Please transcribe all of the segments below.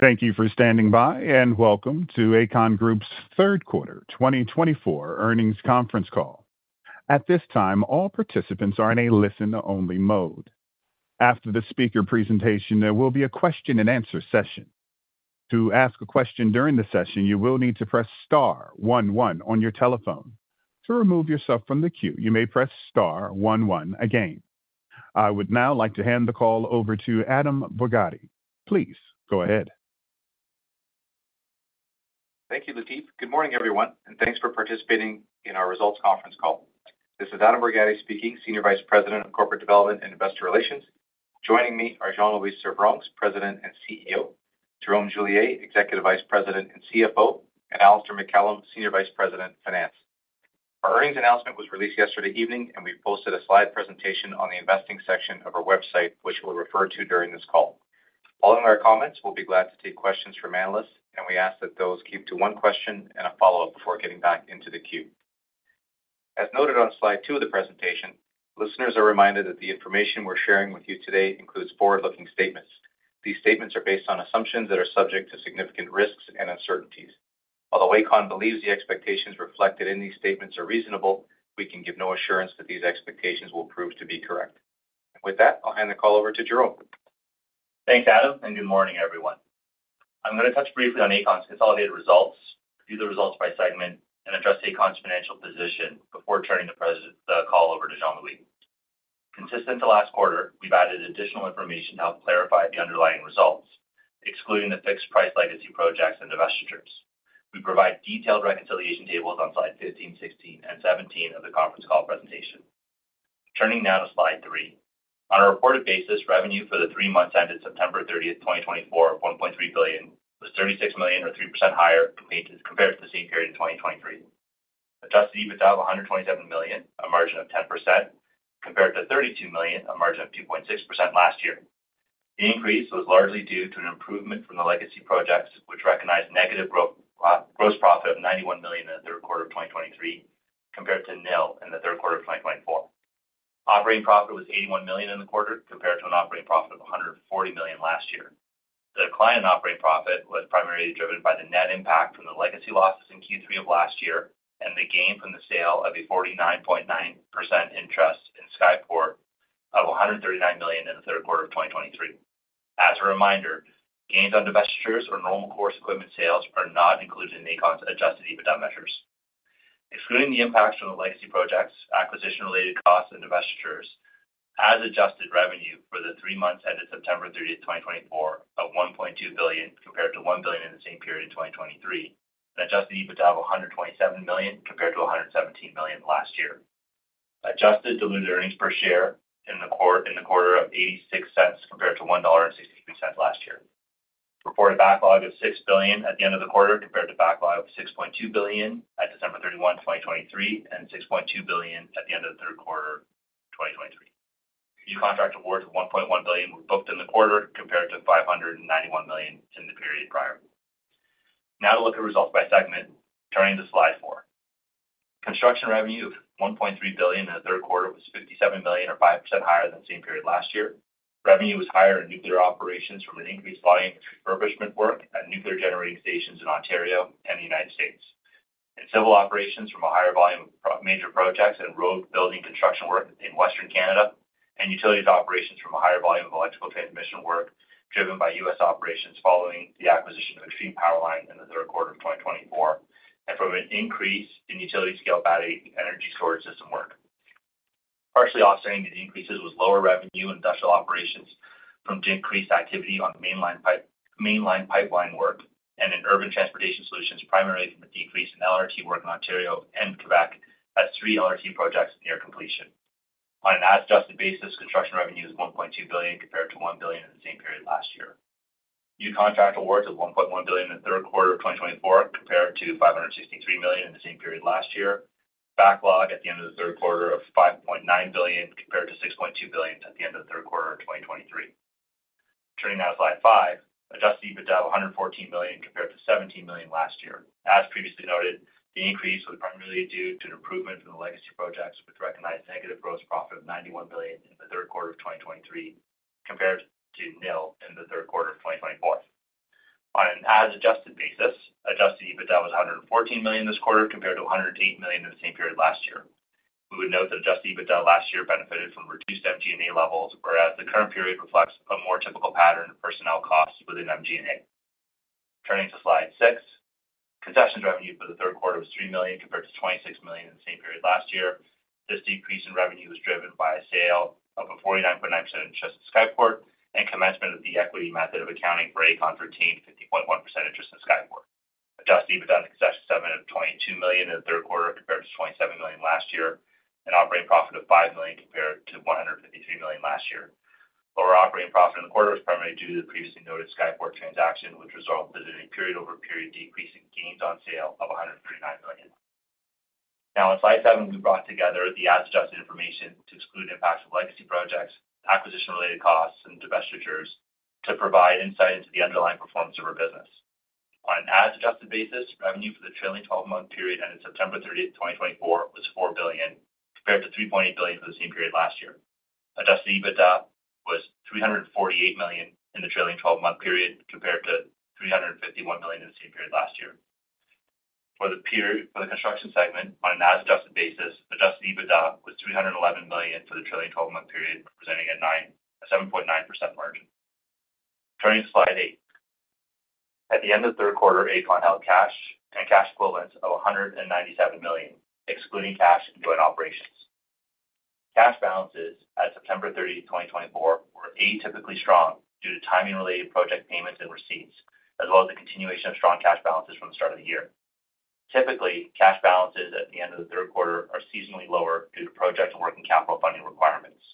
Thank you for standing by, and welcome to Aecon Group's Third Quarter 2024 Earnings Conference Call. At this time, all participants are in a listen-only mode. After the speaker presentation, there will be a question-and-answer session. To ask a question during the session, you will need to press Star 11 on your telephone. To remove yourself from the queue, you may press Star 11 again. I would now like to hand the call over to Adam Borgatti. Please go ahead. Thank you, Latif. Good morning, everyone, and thanks for participating in our results conference call. This is Adam Borgatti speaking, Senior Vice President of Corporate Development and Investor Relations. Joining me are Jean-Louis Servranckx, President and CEO, Jerome Julier, Executive Vice President and CFO, and Alistair MacCallum, Senior Vice President of Finance. Our earnings announcement was released yesterday evening, and we posted a slide presentation on the investing section of our website, which we'll refer to during this call. Following our comments, we'll be glad to take questions from analysts, and we ask that those keep to one question and a follow-up before getting back into the queue. As noted on slide two of the presentation, listeners are reminded that the information we're sharing with you today includes forward-looking statements. These statements are based on assumptions that are subject to significant risks and uncertainties. Although Aecon believes the expectations reflected in these statements are reasonable, we can give no assurance that these expectations will prove to be correct. With that, I'll hand the call over to Jerome. Thanks, Adam, and good morning, everyone. I'm going to touch briefly on Aecon's consolidated results, view the results by segment, and address Aecon's financial position before turning the call over to Jean-Louis. Consistent to last quarter, we've added additional information to help clarify the underlying results, excluding the fixed-price legacy projects and divestitures. We provide detailed reconciliation tables on slides 15, 16, and 17 of the conference call presentation. Turning now to slide three. On a reported basis, revenue for the three months ended September 30, 2024, of 1.3 billion was 36 million, or 3% higher, compared to the same period in 2023. Adjusted EBITDA of 127 million, a margin of 10%, compared to 32 million, a margin of 2.6% last year. The increase was largely due to an improvement from the legacy projects, which recognized negative gross profit of 91 million in the third quarter of 2023, compared to nil in the third quarter of 2024. Operating profit was 81 million in the quarter, compared to an operating profit of 140 million last year. The decline in operating profit was primarily driven by the net impact from the legacy losses in Q3 of last year and the gain from the sale of a 49.9% interest in Skyport of 139 million in the third quarter of 2023. As a reminder, gains on divestitures or normal course equipment sales are not included in Aecon's Adjusted EBITDA measures. Excluding the impacts from the legacy projects, acquisition-related costs and divestitures, adjusted revenue for the three months ended September 30, 2024, of 1.2 billion, compared to 1 billion in the same period in 2023, and Adjusted EBITDA of 127 million, compared to 117 million last year. Adjusted diluted earnings per share in the quarter of 0.86, compared to 1.63 dollar last year. Reported backlog of 6 billion at the end of the quarter, compared to backlog of 6.2 billion at December 31, 2023, and 6.2 billion at the end of the third quarter of 2023. New contract awards of 1.1 billion were booked in the quarter, compared to 591 million in the period prior. Now to look at results by segment. Turning to slide four. Construction revenue of 1.3 billion in the third quarter was 57 million, or 5% higher than the same period last year. Revenue was higher in nuclear operations from an increased volume of refurbishment work at nuclear generating stations in Ontario and the United States. In civil operations, from a higher volume of major projects and road building construction work in Western Canada, and utilities operations from a higher volume of electrical transmission work driven by U.S. operations following the acquisition of Xtreme Powerline Construction in the third quarter of 2024, and from an increase in utility-scale battery energy storage system work. Partially offsetting these increases was lower revenue in industrial operations from decreased activity on mainline pipeline work and in urban transportation solutions, primarily from a decrease in LRT work in Ontario and Quebec at three LRT projects near completion. On an adjusted basis, construction revenue was 1.2 billion, compared to 1 billion in the same period last year. New contract awards of 1.1 billion in the third quarter of 2024, compared to 563 million in the same period last year. Backlog at the end of the third quarter of 5.9 billion, compared to 6.2 billion at the end of the third quarter of 2023. Turning now to slide five, adjusted EBITDA of 114 million, compared to 17 million last year. As previously noted, the increase was primarily due to an improvement from the legacy projects, which recognized negative gross profit of 91 million in the third quarter of 2023, compared to nil in the third quarter of 2024. On an adjusted basis, adjusted EBITDA was 114 million this quarter, compared to 108 million in the same period last year. We would note that adjusted EBITDA last year benefited from reduced MG&A levels, whereas the current period reflects a more typical pattern of personnel costs within MG&A. Turning to slide six, concessions revenue for the third quarter was 3 million, compared to 26 million in the same period last year. This decrease in revenue was driven by a sale of a 49.9% interest in Skyport and commencement of the equity method of accounting for Aecon's retained 50.1% interest in Skyport. Adjusted EBITDA in the concession segment of 22 million in the third quarter, compared to 27 million last year, and operating profit of 5 million compared to 153 million last year. Lower operating profit in the quarter was primarily due to the previously noted Skyport transaction, which resulted in a period-over-period decrease in gains on sale of 139 million. Now, in slide seven, we brought together the adjusted information to exclude impacts of legacy projects, acquisition-related costs, and divestitures to provide insight into the underlying performance of our business. On an adjusted basis, revenue for the trailing 12-month period ended September 30, 2024, was $4 billion, compared to $3.8 billion for the same period last year. Adjusted EBITDA was $348 million in the trailing 12-month period, compared to $351 million in the same period last year. For the construction segment, on an adjusted basis, adjusted EBITDA was $311 million for the trailing 12-month period, representing a 7.9% margin. Turning to slide eight, at the end of the third quarter, Aecon held cash and cash equivalents of $197 million, excluding cash and joint operations. Cash balances at September 30, 2024, were atypically strong due to timing-related project payments and receipts, as well as the continuation of strong cash balances from the start of the year. Typically, cash balances at the end of the third quarter are seasonally lower due to project and working capital funding requirements.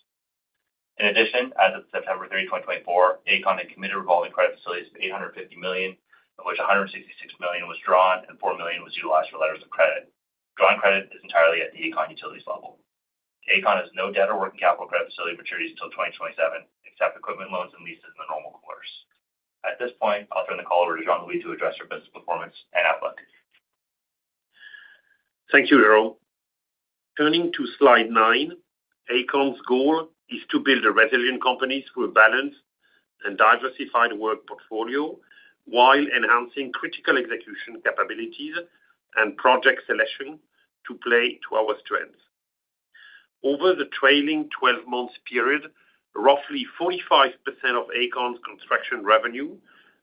In addition, as of September 30, 2024, Aecon had committed revolving credit facilities of 850 million, of which 166 million was drawn and 4 million was utilized for letters of credit. Drawn credit is entirely at the Aecon utilities level. Aecon has no debt or working capital credit facility maturities until 2027, except equipment loans and leases in the normal course. At this point, I'll turn the call over to Jean-Louis to address our business performance and outlook. Thank you, Jerome. Turning to slide nine, Aecon's goal is to build resilient companies through balance and diversified work portfolio while enhancing critical execution capabilities and project selection to play to our strengths. Over the trailing 12-month period, roughly 45% of Aecon's construction revenue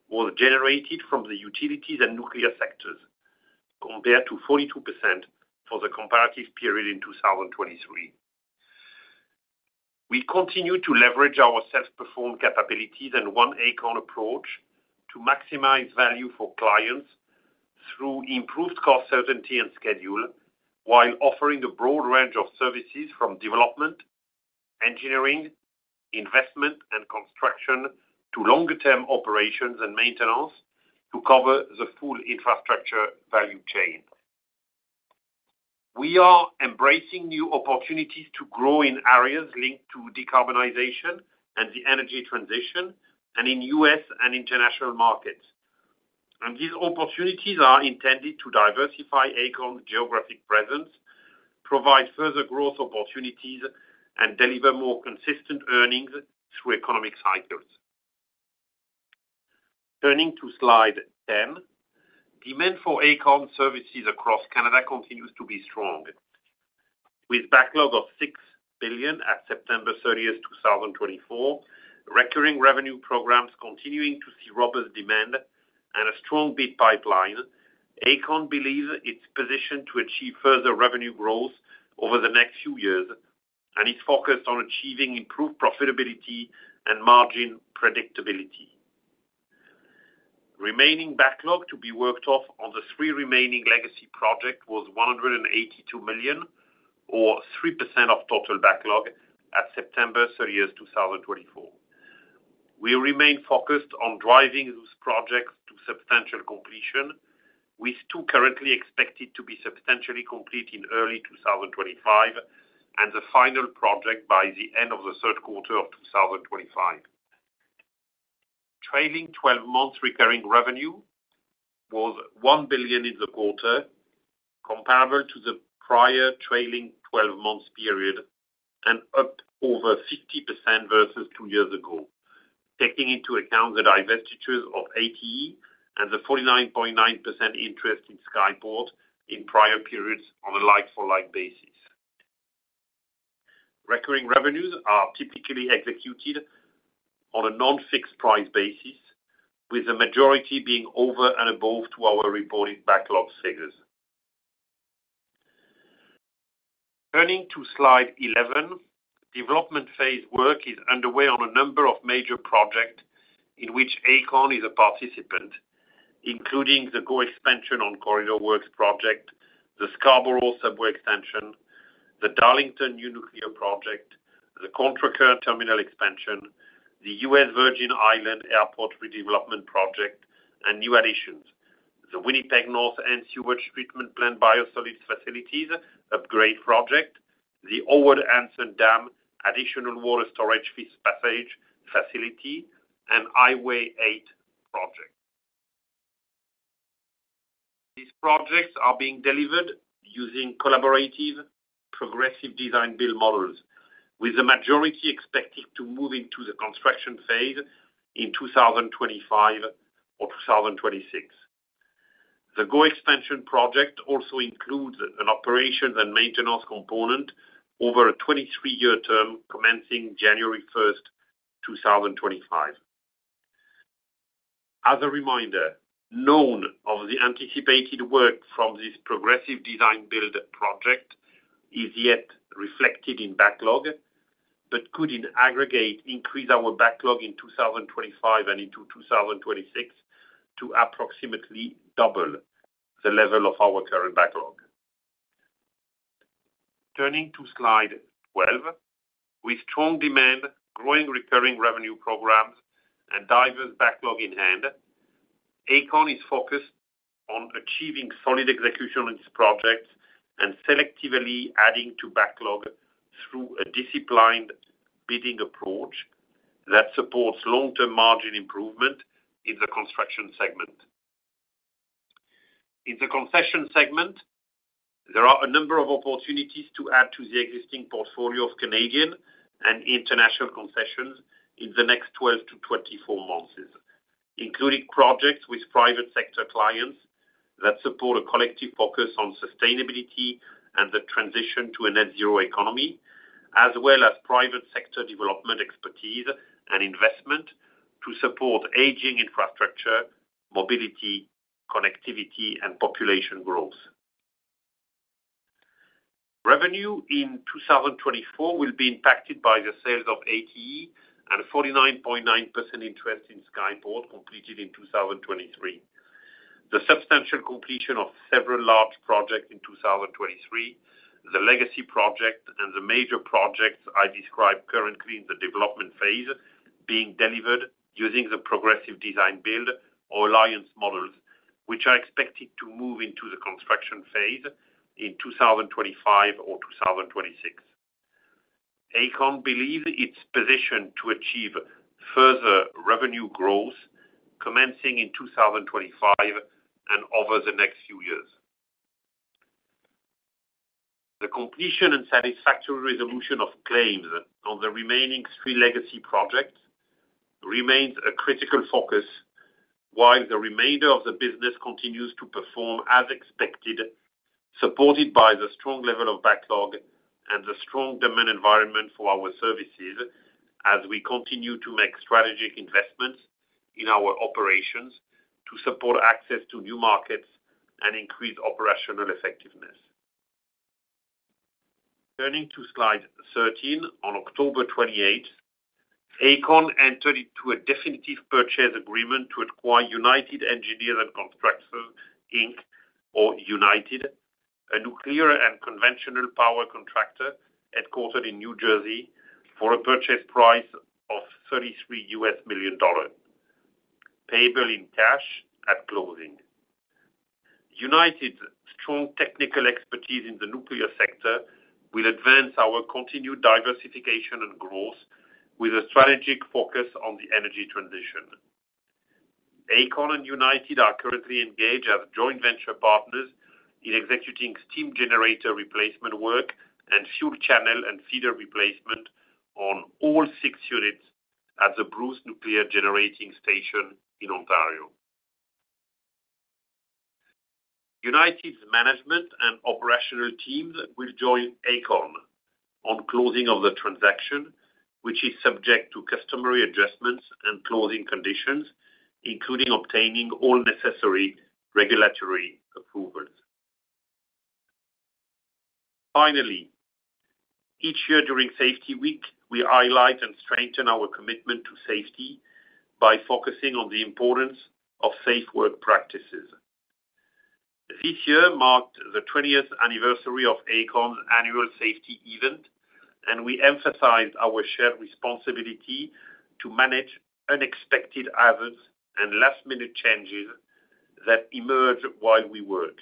was generated from the utilities and nuclear sectors, compared to 42% for the comparative period in 2023. We continue to leverage our self-performed capabilities and one Aecon approach to maximize value for clients through improved cost certainty and schedule, while offering a broad range of services from development, engineering, investment, and construction to longer-term operations and maintenance to cover the full infrastructure value chain. We are embracing new opportunities to grow in areas linked to decarbonization and the energy transition, and in U.S. and international markets. These opportunities are intended to diversify Aecon's geographic presence, provide further growth opportunities, and deliver more consistent earnings through economic cycles. Turning to slide 10, demand for Aecon services across Canada continues to be strong. With backlog of $6 billion at September 30, 2024, recurring revenue programs continuing to see robust demand and a strong bid pipeline, Aecon believes it's positioned to achieve further revenue growth over the next few years and is focused on achieving improved profitability and margin predictability. Remaining backlog to be worked off on the three remaining legacy projects was $182 million, or 3% of total backlog at September 30, 2024. We remain focused on driving those projects to substantial completion, with two currently expected to be substantially complete in early 2025 and the final project by the end of the third quarter of 2025. Trailing 12-month recurring revenue was 1 billion in the quarter, comparable to the prior trailing 12-month period and up over 50% versus two years ago, taking into account the divestitures of ATE and the 49.9% interest in Skyport in prior periods on a like-for-like basis. Recurring revenues are typically executed on a non-fixed price basis, with the majority being over and above our reported backlog figures. Turning to slide 11, development phase work is underway on a number of major projects in which Aecon is a participant, including the GO Expansion On-Corridor Works project, the Scarborough Subway Extension, the Darlington New Nuclear Project, the Contrecœur Terminal Expansion, the U.S. Virgin Islands Airport redevelopment project, and new additions: the Winnipeg North End Sewage Treatment Plant Biosolids Facilities upgrade project, the Howard A. Hanson Dam additional water storage and fish passage facility, and Highway 8 project. These projects are being delivered using collaborative progressive design-build models, with the majority expected to move into the construction phase in 2025 or 2026. The GO Expansion project also includes an operations and maintenance component over a 23-year term commencing January 1, 2025. As a reminder, none of the anticipated work from this progressive design-build project is yet reflected in backlog, but could in aggregate increase our backlog in 2025 and into 2026 to approximately double the level of our current backlog. Turning to slide 12, with strong demand, growing recurring revenue programs, and diverse backlog in hand, Aecon is focused on achieving solid execution on its projects and selectively adding to backlog through a disciplined bidding approach that supports long-term margin improvement in the construction segment. In the concession segment, there are a number of opportunities to add to the existing portfolio of Canadian and international concessions in the next 12 to 24 months, including projects with private sector clients that support a collective focus on sustainability and the transition to a net-zero economy, as well as private sector development expertise and investment to support aging infrastructure, mobility, connectivity, and population growth. Revenue in 2024 will be impacted by the sales of ATE and 49.9% interest in Skyport completed in 2023. The substantial completion of several large projects in 2023, the legacy project, and the major projects I described currently in the development phase being delivered using the progressive design-build or alliance models, which are expected to move into the construction phase in 2025 or 2026. Aecon believes it's positioned to achieve further revenue growth commencing in 2025 and over the next few years. The completion and satisfactory resolution of claims on the remaining three legacy projects remains a critical focus while the remainder of the business continues to perform as expected, supported by the strong level of backlog and the strong demand environment for our services as we continue to make strategic investments in our operations to support access to new markets and increase operational effectiveness. Turning to slide 13, on October 28, Aecon entered into a definitive purchase agreement to acquire United Engineers and Constructors Inc., or United, a nuclear and conventional power contractor headquartered in New Jersey, for a purchase price of 33 million dollars payable in cash at closing. United's strong technical expertise in the nuclear sector will advance our continued diversification and growth with a strategic focus on the energy transition. Aecon and United are currently engaged as joint venture partners in executing steam generator replacement work and fuel channel and feeder replacement on all six units at the Bruce Nuclear Generating Station in Ontario. United's management and operational teams will join Aecon on closing of the transaction, which is subject to customary adjustments and closing conditions, including obtaining all necessary regulatory approvals. Finally, each year during Safety Week, we highlight and strengthen our commitment to safety by focusing on the importance of safe work practices. This year marked the 20th anniversary of Aecon's annual safety event, and we emphasized our shared responsibility to manage unexpected hazards and last-minute changes that emerge while we work.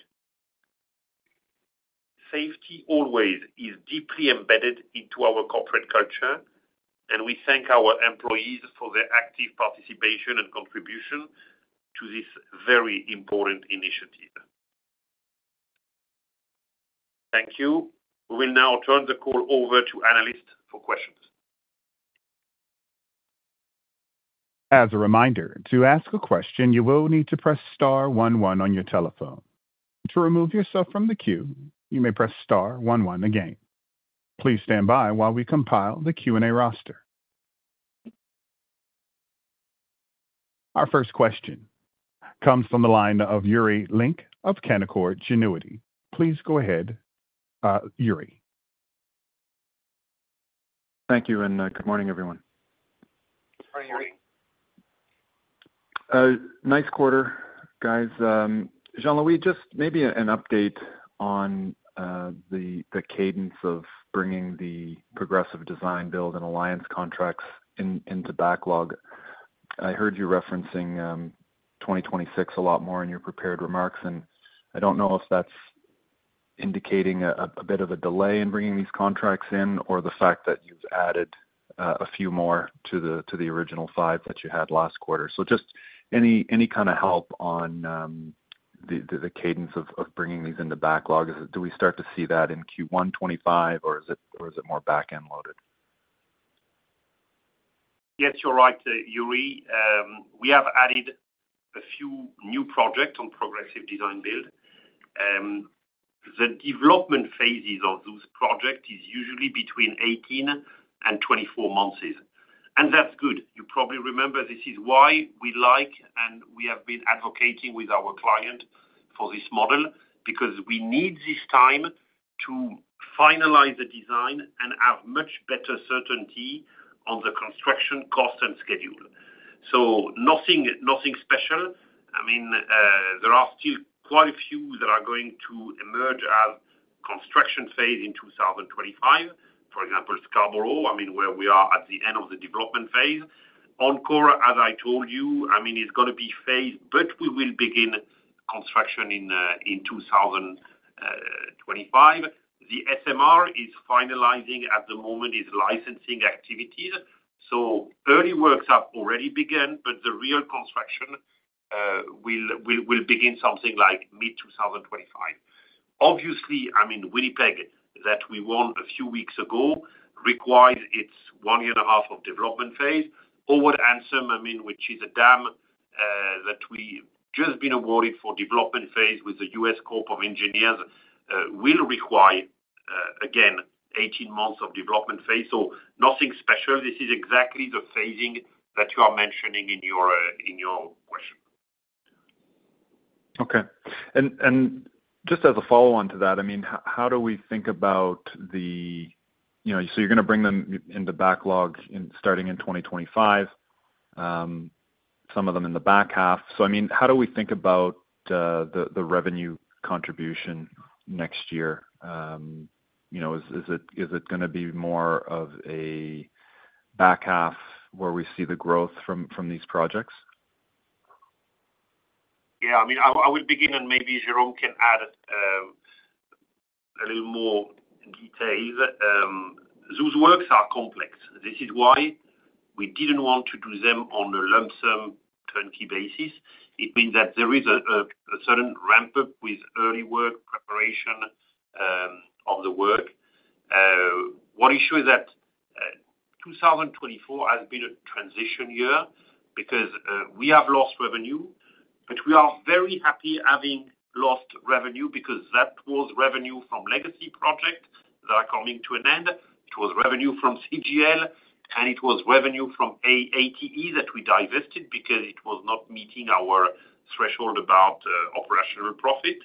Safety always is deeply embedded into our corporate culture, and we thank our employees for their active participation and contribution to this very important initiative. Thank you. We will now turn the call over to analysts for questions. As a reminder, to ask a question, you will need to press star 11 on your telephone. To remove yourself from the queue, you may press star 11 again. Please stand by while we compile the Q&A roster. Our first question comes from the line of Yuri Lynk of Canaccord Genuity. Please go ahead, Yuri. Thank you, and good morning, everyone. Good morning, Yuri. Nice quarter, guys. Jean-Louis, just maybe an update on the cadence of bringing the progressive design-build and alliance contracts into backlog. I heard you referencing 2026 a lot more in your prepared remarks, and I don't know if that's indicating a bit of a delay in bringing these contracts in or the fact that you've added a few more to the original five that you had last quarter. So just any kind of help on the cadence of bringing these into backlog? Do we start to see that in Q1 2025, or is it more back-end loaded? Yes, you're right, Yuri. We have added a few new projects on Progressive Design-Build. The development phases of those projects are usually between 18 and 24 months, and that's good. You probably remember this is why we like and we have been advocating with our client for this model, because we need this time to finalize the design and have much better certainty on the construction cost and schedule. So nothing special. I mean, there are still quite a few that are going to emerge as construction phase in 2025. For example, Scarborough, I mean, where we are at the end of the development phase. On-Corr, as I told you, I mean, is going to be phased, but we will begin construction in 2025. The SMR is finalizing at the moment its licensing activities. So early works have already begun, but the real construction will begin something like mid-2025. Obviously, I mean, Winnipeg that we won a few weeks ago requires its one year and a half of development phase. Howard A. Hanson, I mean, which is a dam that we just been awarded for development phase with the U.S. Army Corps of Engineers, will require, again, 18 months of development phase. So nothing special. This is exactly the phasing that you are mentioning in your question. Okay, and just as a follow-on to that, I mean, how do we think about the, so you're going to bring them into backlog starting in 2025, some of them in the back half, so I mean, how do we think about the revenue contribution next year? Is it going to be more of a back half where we see the growth from these projects? Yeah. I mean, I would begin, and maybe Jerome can add a little more detail. Those works are complex. This is why we didn't want to do them on a lump sum turnkey basis. It means that there is a sudden ramp-up with early work preparation of the work. One issue is that 2024 has been a transition year because we have lost revenue, but we are very happy having lost revenue because that was revenue from legacy projects that are coming to an end. It was revenue from CGL, and it was revenue from ATE that we divested because it was not meeting our threshold about operational profit.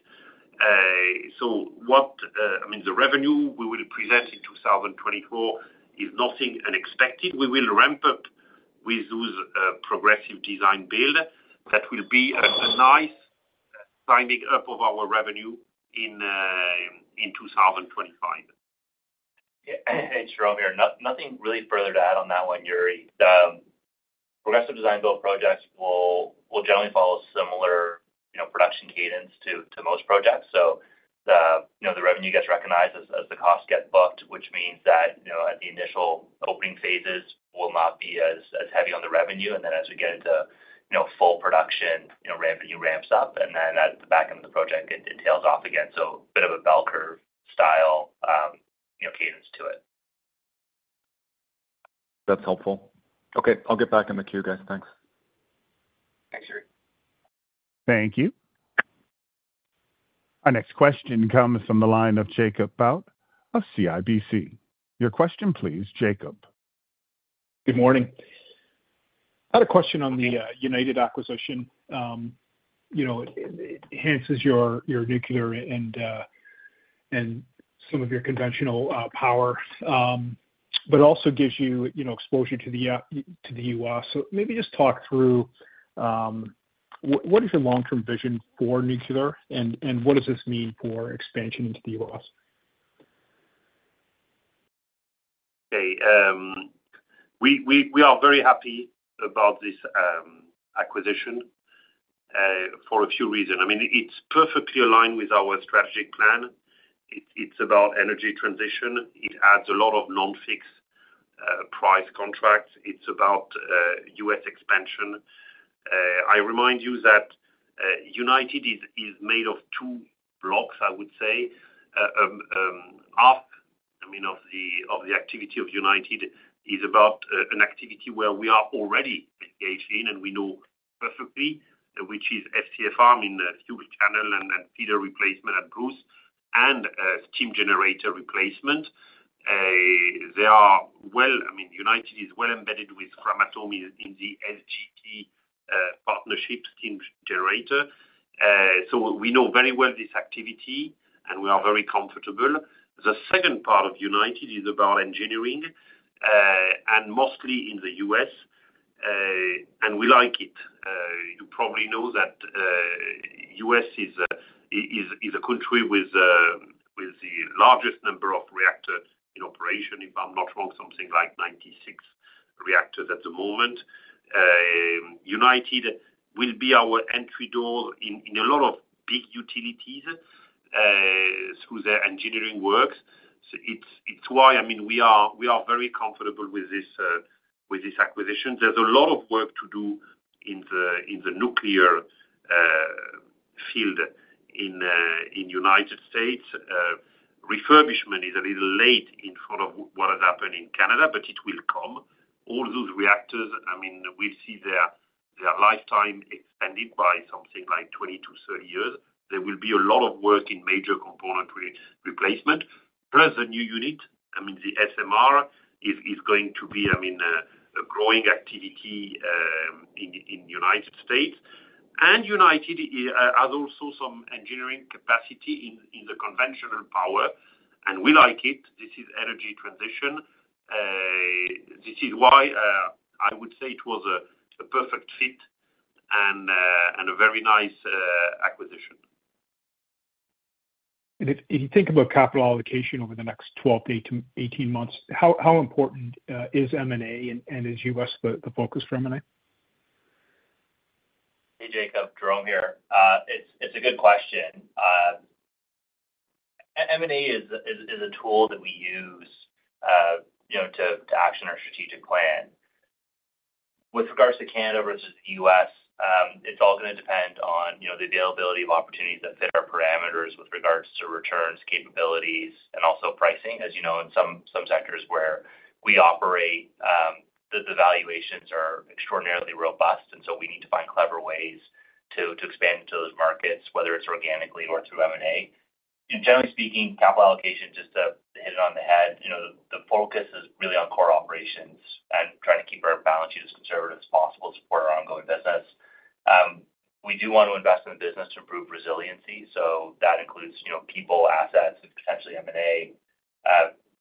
So I mean, the revenue we will present in 2024 is nothing unexpected. We will ramp up with those progressive design-build. That will be a nice ramping up of our revenue in 2025. Hey, Jerome here. Nothing really further to add on that one, Yuri. Progressive Design-Build projects will generally follow a similar production cadence to most projects. So the revenue gets recognized as the costs get booked, which means that at the initial opening phases, we'll not be as heavy on the revenue. And then as we get into full production, revenue ramps up, and then at the back end of the project, it tails off again. So a bit of a bell curve style cadence to it. That's helpful. Okay. I'll get back in the queue, guys. Thanks. Thanks, Yuri. Thank you. Our next question comes from the line of Jacob Bout of CIBC. Your question, please, Jacob. Good morning. I had a question on the United Acquisition. It enhances your nuclear and some of your conventional power, but also gives you exposure to the U.S. So maybe just talk through what is your long-term vision for nuclear, and what does this mean for expansion into the U.S.? Okay. We are very happy about this acquisition for a few reasons. I mean, it's perfectly aligned with our strategic plan. It's about energy transition. It adds a lot of non-fixed price contracts. It's about U.S. expansion. I remind you that United is made of two blocks, I would say. Half, I mean, of the activity of United is about an activity where we are already engaged in and we know perfectly, which is FCFR, I mean, fuel channel and feeder replacement at Bruce and steam generator replacement. I mean, United is well embedded with Framatome in the SGR partnership steam generator. So we know very well this activity, and we are very comfortable. The second part of United is about engineering and mostly in the U.S., and we like it. You probably know that the U.S. is a country with the largest number of reactors in operation, if I'm not wrong, something like 96 reactors at the moment. United will be our entry door in a lot of big utilities through their engineering works. So it's why, I mean, we are very comfortable with this acquisition. There's a lot of work to do in the nuclear field in the United States. Refurbishment is a little late in front of what has happened in Canada, but it will come. All those reactors, I mean, we'll see their lifetime extended by something like 20-30 years. There will be a lot of work in major component replacement. Plus, the new unit, I mean, the SMR, is going to be, I mean, a growing activity in the United States. And United has also some engineering capacity in the conventional power, and we like it. This is energy transition. This is why I would say it was a perfect fit and a very nice acquisition. If you think about capital allocation over the next 12-18 months, how important is M&A and is U.S. the focus for M&A? Hey, Jacob, Jerome here. It's a good question. M&A is a tool that we use to action our strategic plan. With regards to Canada versus the U.S., it's all going to depend on the availability of opportunities that fit our parameters with regards to returns, capabilities, and also pricing. As you know, in some sectors where we operate, the valuations are extraordinarily robust, and so we need to find clever ways to expand into those markets, whether it's organically or through M&A. Generally speaking, capital allocation, just to hit it on the head, the focus is really on core operations and trying to keep our balance sheet as conservative as possible to support our ongoing business. We do want to invest in the business to improve resiliency. So that includes people, assets, and potentially M&A.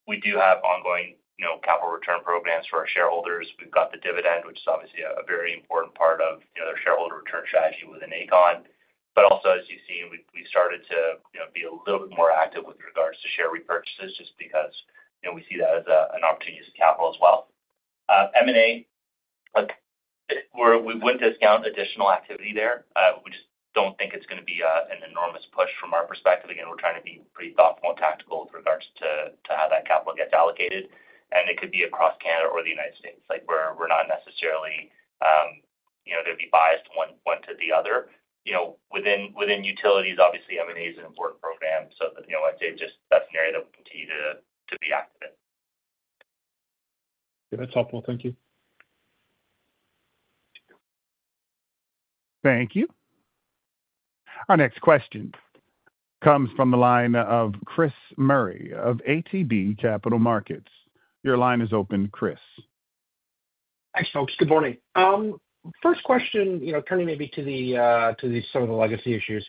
We do have ongoing capital return programs for our shareholders. We've got the dividend, which is obviously a very important part of their shareholder return strategy within Aecon. But also, as you've seen, we've started to be a little bit more active with regards to share repurchases just because we see that as an opportunity to see capital as well. M&A, we wouldn't discount additional activity there. We just don't think it's going to be an enormous push from our perspective. Again, we're trying to be pretty thoughtful and tactical with regards to how that capital gets allocated, and it could be across Canada or the United States. We're not necessarily going to be biased one to the other. Within utilities, obviously, M&A is an important program. So I'd say that's an area that we'll continue to be active in. Yeah, that's helpful. Thank you. Thank you. Our next question comes from the line of Chris Murray of ATB Capital Markets. Your line is open, Chris. Thanks, folks. Good morning. First question, turning maybe to some of the legacy issues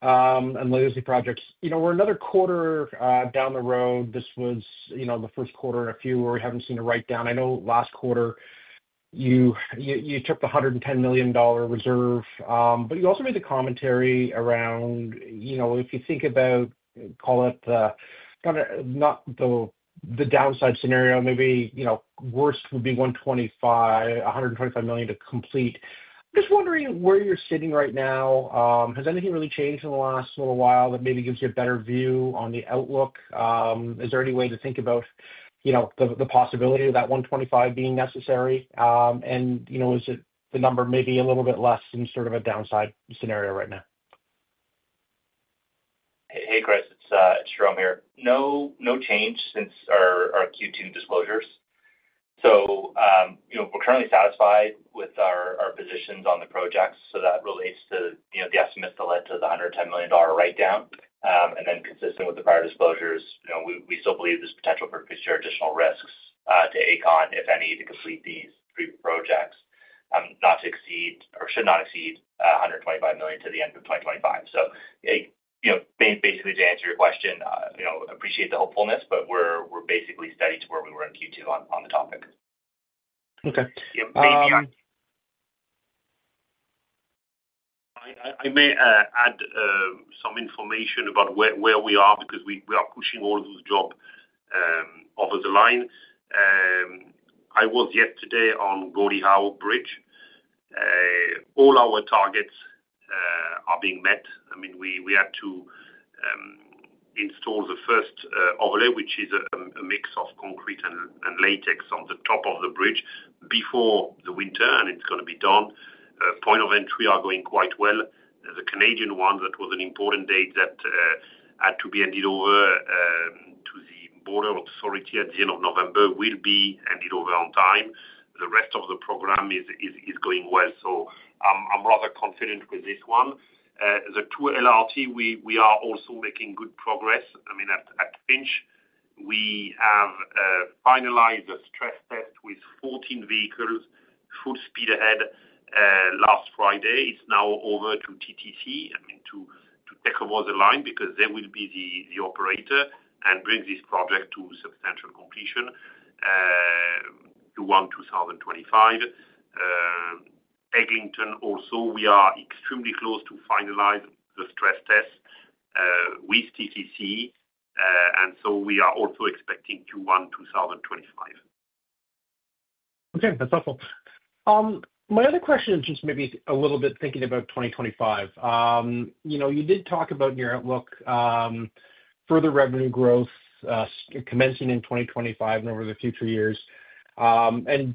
and legacy projects. We're another quarter down the road. This was the first quarter in a few where we haven't seen a write-down. I know last quarter, you took the 110 million dollar reserve, but you also made the commentary around if you think about, call it not the downside scenario, maybe worst would be 125 million to complete. I'm just wondering where you're sitting right now. Has anything really changed in the last little while that maybe gives you a better view on the outlook? Is there any way to think about the possibility of that 125 being necessary? And is the number maybe a little bit less in sort of a downside scenario right now? Hey, Chris. It's Jerome here. No change since our Q2 disclosures, so we're currently satisfied with our positions on the projects, so that relates to the estimates that led to the $110 million write-down, and then consistent with the prior disclosures, we still believe there's potential for additional risks to Aecon, if any, to complete these three projects, not to exceed or should not exceed $125 million to the end of 2025, so basically, to answer your question, I appreciate the hopefulness, but we're basically steady to where we were in Q2 on the topic. Okay. Maybe I may add some information about where we are because we are pushing all those jobs over the line. I was yesterday on Gordie Howe Bridge. All our targets are being met. I mean, we had to install the first overlay, which is a mix of concrete and latex on the top of the bridge before the winter, and it's going to be done. Port of Entry is going quite well. The Canadian one that was an important date that had to be handed over to the border authority at the end of November will be handed over on time. The rest of the program is going well. I'm rather confident with this one. The two LRT, we are also making good progress. I mean, at Finch, we have finalized a stress test with 14 vehicles full speed ahead last Friday. It's now over to TTC, I mean, to take over the line because they will be the operator and bring this project to substantial completion Q1 2025. Eglinton also, we are extremely close to finalize the stress test with TTC, and so we are also expecting Q1 2025. Okay. That's helpful. My other question is just maybe a little bit thinking about 2025. You did talk about in your outlook further revenue growth commencing in 2025 and over the future years, and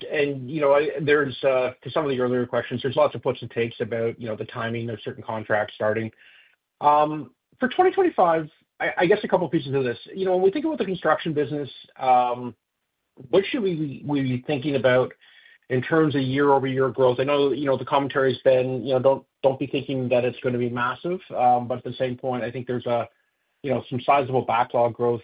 to some of the earlier questions, there's lots of puts and takes about the timing of certain contracts starting. For 2025, I guess a couple of pieces of this. When we think about the construction business, what should we be thinking about in terms of year-over-year growth? I know the commentary has been, "Don't be thinking that it's going to be massive," but at the same point, I think there's some sizable backlog growth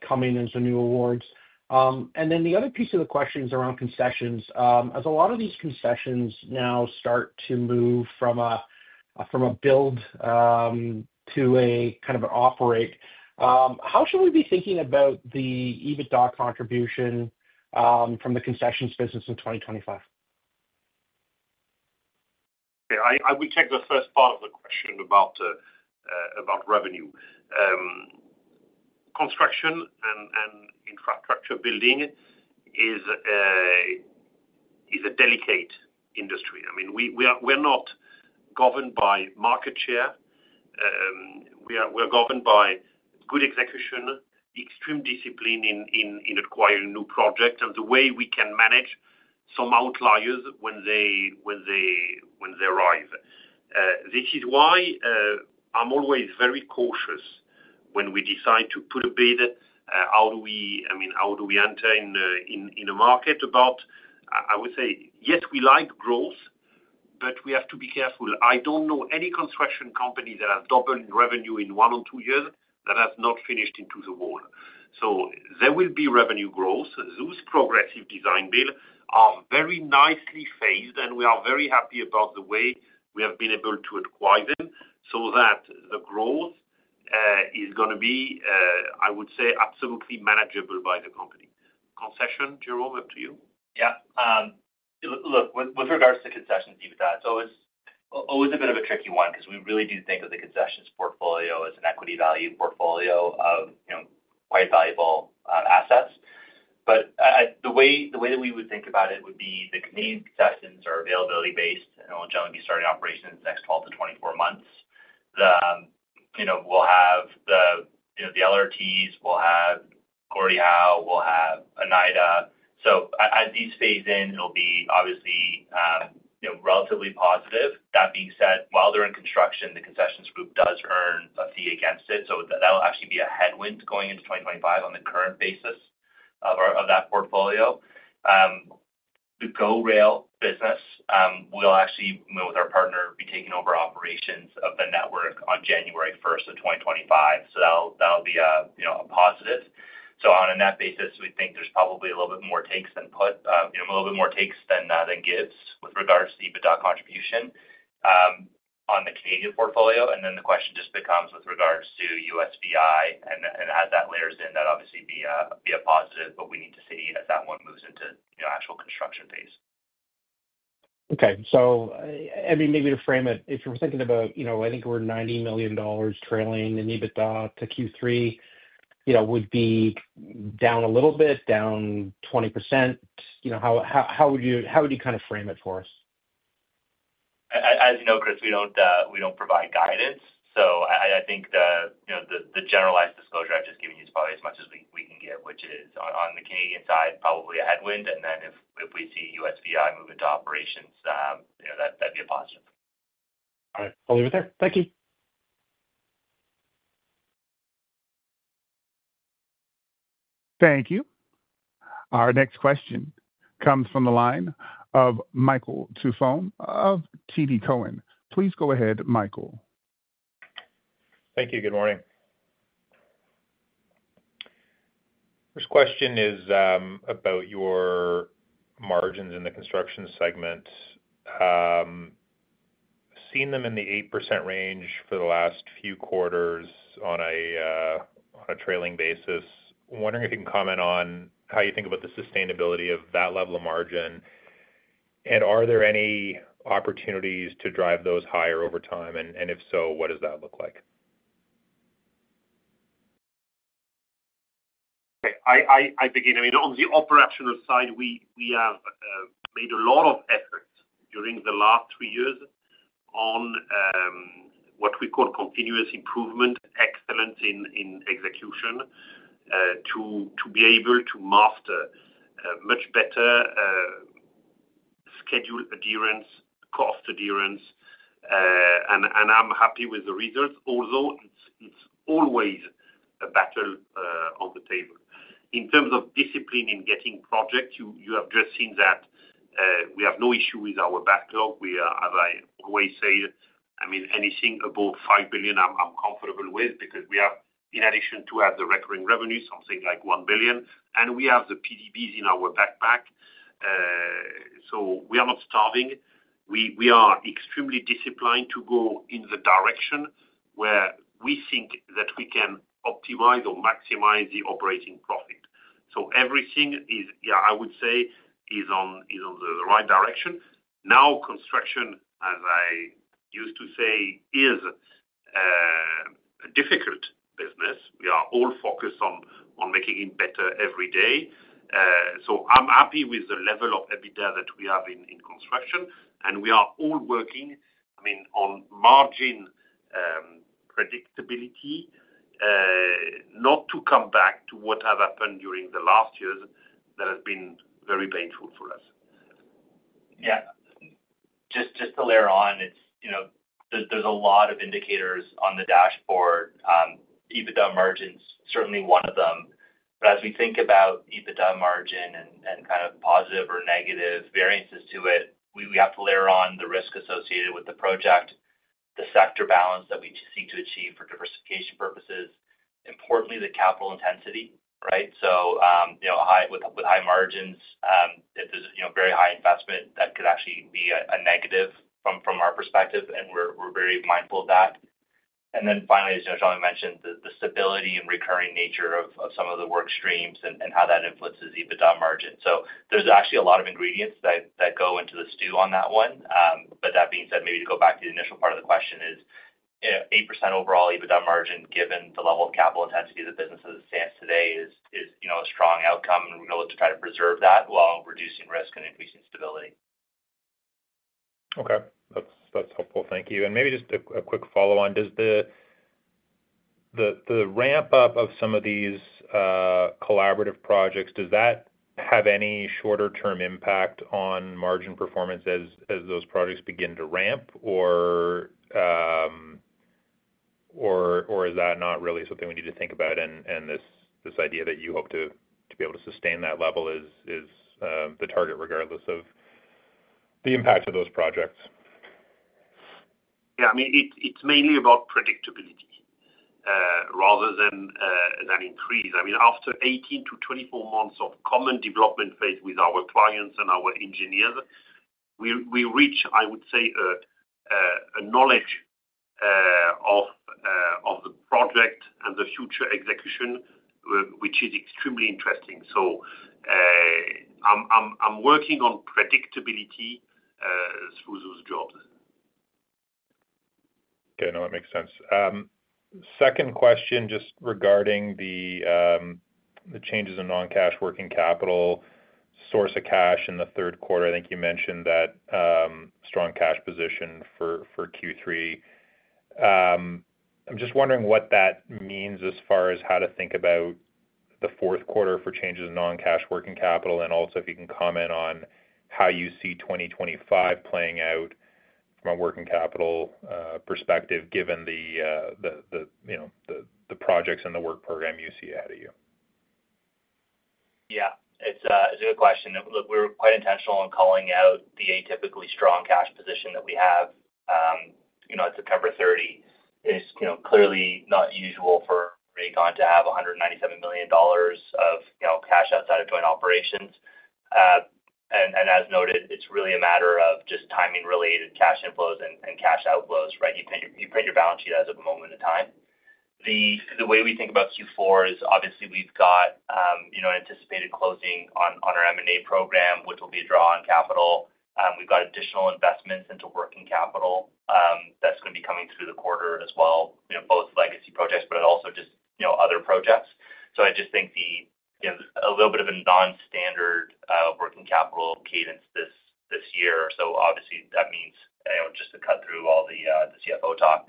coming as the new awards, and then the other piece of the question is around concessions. As a lot of these concessions now start to move from a build to a kind of an operate, how should we be thinking about the EBITDA contribution from the concessions business in 2025? Okay. I will take the first part of the question about revenue. Construction and infrastructure building is a delicate industry. I mean, we are not governed by market share. We are governed by good execution, extreme discipline in acquiring new projects, and the way we can manage some outliers when they arrive. This is why I'm always very cautious when we decide to put a bid, how do we enter in a market about. I would say, yes, we like growth, but we have to be careful. I don't know any construction company that has doubled in revenue in one or two years that has not finished into the wall. So there will be revenue growth. Those progressive design-build are very nicely phased, and we are very happy about the way we have been able to acquire them so that the growth is going to be, I would say, absolutely manageable by the company. Concessions, Jerome, up to you. Yeah. Look, with regards to concessions and EBITDA, it's always a bit of a tricky one because we really do think of the concessions portfolio as an equity value portfolio of quite valuable assets. But the way that we would think about it would be the Canadian concessions are availability-based, and it will generally be starting operations in the next 12 to 24 months. We'll have the LRTs, we'll have Gordie Howe, we'll have Oneida. So as these phase in, it'll be obviously relatively positive. That being said, while they're in construction, the concessions group does earn a fee against it. So that'll actually be a headwind going into 2025 on the current basis of that portfolio. The GO Rail business will actually, with our partner, be taking over operations of the network on January 1st of 2025. So that'll be a positive. So on that basis, we think there's probably a little bit more takes than put, a little bit more takes than gives with regards to EBITDA contribution on the Canadian portfolio. And then the question just becomes with regards to USVI, and as that layers in, that'd obviously be a positive, but we need to see as that one moves into the actual construction phase. Okay. So I mean, maybe to frame it, if you're thinking about, I think we're 90 million dollars trailing in EBITDA to Q3, would be down a little bit, down 20%. How would you kind of frame it for us? As you know, Chris, we don't provide guidance. So I think the generalized disclosure I've just given you is probably as much as we can give, which is on the Canadian side, probably a headwind, and then if we see USVI moving to operations, that'd be a positive. All right. I'll leave it there. Thank you. Thank you. Our next question comes from the line of Michael Tupholme of TD Cowen. Please go ahead, Michael. Thank you. Good morning. First question is about your margins in the construction segment. Seen them in the 8% range for the last few quarters on a trailing basis. Wondering if you can comment on how you think about the sustainability of that level of margin. And are there any opportunities to drive those higher over time? And if so, what does that look like? Okay. I begin. I mean, on the operational side, we have made a lot of efforts during the last three years on what we call continuous improvement, excellence in execution to be able to master much better schedule adherence, cost adherence. And I'm happy with the results, although it's always a battle on the table. In terms of discipline in getting projects, you have just seen that we have no issue with our backlog. We have, as I always say, I mean, anything above 5 billion, I'm comfortable with because we have, in addition to the recurring revenue, something like 1 billion. And we have the PDBs in our back pocket. So we are not starving. We are extremely disciplined to go in the direction where we think that we can optimize or maximize the operating profit. So everything, yeah, I would say, is on the right direction. Now, construction, as I used to say, is a difficult business. We are all focused on making it better every day. So I'm happy with the level of EBITDA that we have in construction. And we are all working, I mean, on margin predictability, not to come back to what has happened during the last years that has been very painful for us. Yeah. Just to layer on, there's a lot of indicators on the dashboard. EBITDA margin is certainly one of them. But as we think about EBITDA margin and kind of positive or negative variances to it, we have to layer on the risk associated with the project, the sector balance that we seek to achieve for diversification purposes, importantly, the capital intensity, right? So with high margins, if there's very high investment, that could actually be a negative from our perspective, and we're very mindful of that. And then finally, as Jerome mentioned, the stability and recurring nature of some of the work streams and how that influences EBITDA margin. So there's actually a lot of ingredients that go into the stew on that one. But that being said, maybe to go back to the initial part of the question: 8% overall EBITDA margin given the level of capital intensity of the business as it stands today is a strong outcome, and we're going to try to preserve that while reducing risk and increasing stability. Okay. That's helpful. Thank you. And maybe just a quick follow-on. Does the ramp-up of some of these collaborative projects, does that have any shorter-term impact on margin performance as those projects begin to ramp, or is that not really something we need to think about? And this idea that you hope to be able to sustain that level is the target regardless of the impact of those projects. Yeah. I mean, it's mainly about predictability rather than an increase. I mean, after 18-24 months of common development phase with our clients and our engineers, we reach, I would say, a knowledge of the project and the future execution, which is extremely interesting. So I'm working on predictability through those jobs. Okay. No, that makes sense. Second question just regarding the changes in non-cash working capital, source of cash in the third quarter. I think you mentioned that strong cash position for Q3. I'm just wondering what that means as far as how to think about the fourth quarter for changes in non-cash working capital, and also if you can comment on how you see 2025 playing out from a working capital perspective given the projects and the work program you see ahead of you? Yeah. It's a good question. Look, we were quite intentional in calling out the atypically strong cash position that we have at September 30. It's clearly not usual for Aecon to have 197 million dollars of cash outside of joint operations. And as noted, it's really a matter of just timing-related cash inflows and cash outflows, right? You print your balance sheet as of the moment in time. The way we think about Q4 is obviously we've got an anticipated closing on our M&A program, which will be a draw on capital. We've got additional investments into working capital that's going to be coming through the quarter as well, both legacy projects, but also just other projects. So I just think a little bit of a non-standard working capital cadence this year. So obviously, that means just to cut through all the CFO talk,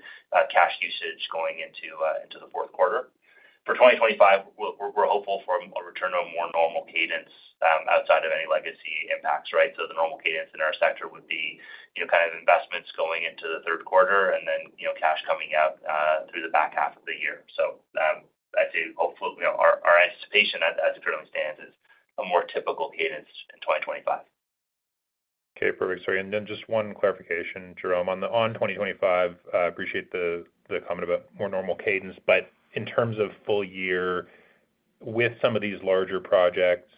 cash usage going into the fourth quarter. For 2025, we're hopeful for a return to a more normal cadence outside of any legacy impacts, right? So the normal cadence in our sector would be kind of investments going into the third quarter and then cash coming out through the back half of the year, so I'd say hopefully our anticipation as it currently stands is a more typical cadence in 2025. Okay. Perfect. Sorry. And then just one clarification, Jerome. On 2025, I appreciate the comment about more normal cadence, but in terms of full year with some of these larger projects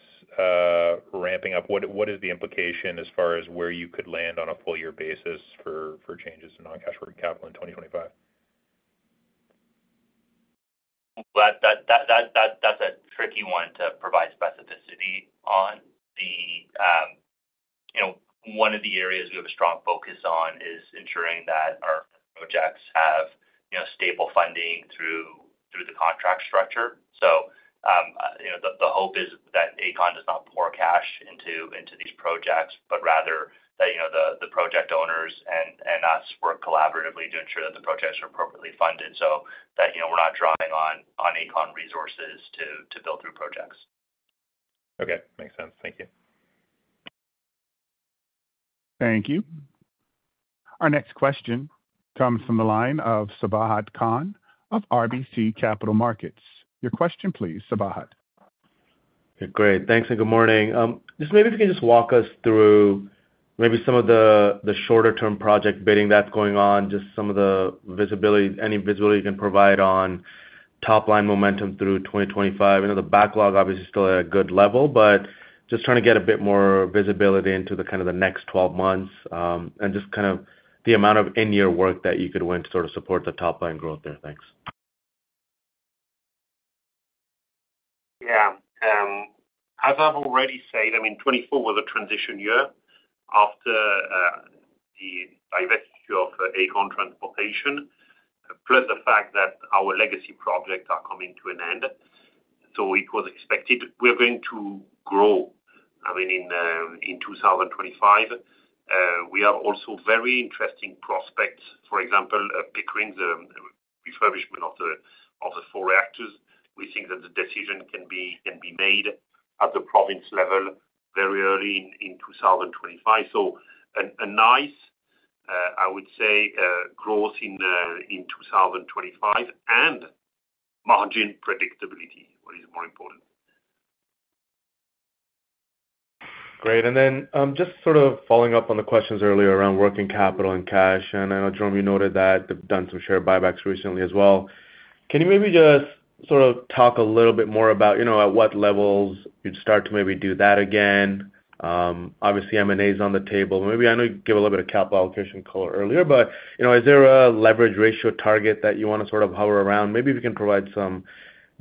ramping up, what is the implication as far as where you could land on a full year basis for changes in non-cash working capital in 2025? That's a tricky one to provide specificity on. One of the areas we have a strong focus on is ensuring that our projects have stable funding through the contract structure. So the hope is that Aecon does not pour cash into these projects, but rather that the project owners and us work collaboratively to ensure that the projects are appropriately funded so that we're not drawing on Aecon resources to build through projects. Okay. Makes sense. Thank you. Thank you. Our next question comes from the line of Sabahat Khan of RBC Capital Markets. Your question, please, Sabahat. Okay. Great. Thanks. And good morning. Just maybe if you can just walk us through maybe some of the shorter-term project bidding that's going on, just some of the visibility, any visibility you can provide on top-line momentum through 2025. I know the backlog obviously is still at a good level, but just trying to get a bit more visibility into kind of the next 12 months and just kind of the amount of in-year work that you could win to sort of support the top-line growth there. Thanks. Yeah. As I've already said, I mean, 2024 was a transition year after the divestiture of Aecon Transportation, plus the fact that our legacy projects are coming to an end. So it was expected we're going to grow, I mean, in 2025. We have also very interesting prospects, for example, Pickering, the refurbishment of the four reactors. We think that the decision can be made at the province level very early in 2025. So a nice, I would say, growth in 2025 and margin predictability, what is more important. Great. And then just sort of following up on the questions earlier around working capital and cash. And I know, Jerome, you noted that they've done some share buybacks recently as well. Can you maybe just sort of talk a little bit more about at what levels you'd start to maybe do that again? Obviously, M&A is on the table. Maybe I know you gave a little bit of capital allocation color earlier, but is there a leverage ratio target that you want to sort of hover around? Maybe if you can provide some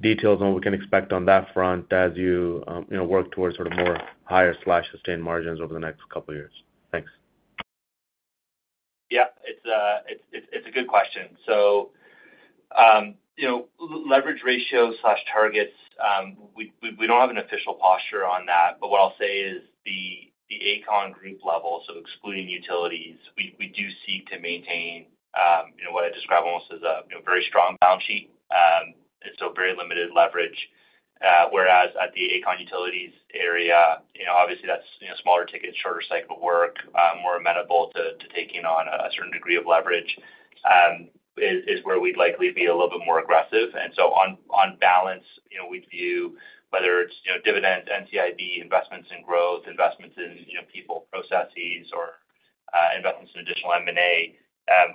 details on what we can expect on that front as you work towards sort of more higher/sustained margins over the next couple of years. Thanks. Yeah. It's a good question. So leverage ratios/targets, we don't have an official posture on that. But what I'll say is the Aecon Group level, so excluding utilities, we do seek to maintain what I describe almost as a very strong balance sheet. It's still very limited leverage. Whereas at the Aecon Utilities area, obviously, that's smaller tickets, shorter cycle of work, more amenable to taking on a certain degree of leverage is where we'd likely be a little bit more aggressive. And so on balance, we'd view whether it's dividends, NCIB, investments in growth, investments in people, processes, or investments in additional M&A.